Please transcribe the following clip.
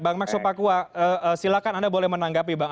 bang maxo pakua silakan anda boleh menanggapi bang